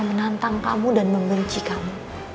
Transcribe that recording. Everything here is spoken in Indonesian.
menantang kamu dan membenci kamu